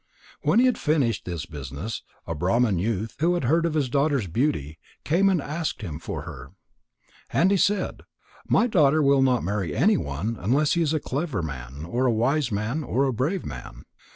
When he had finished his business, a Brahman youth, who had heard of his daughter's beauty, came and asked him for her. And he said: "My daughter will not marry anyone unless he is a clever man or a wise man or a brave man.